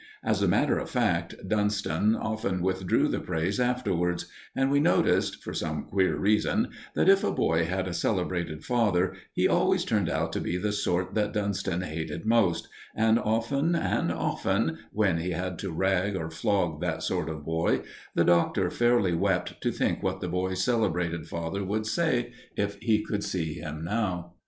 As a matter of fact, Dunston often withdrew the praise afterwards, and we noticed, for some queer reason, that if a boy had a celebrated father, he always turned out to be the sort that Dunston hated most; and often and often, when he had to rag or flog that sort of boy, the Doctor fairly wept to think what the boy's celebrated father would say if he could see him now.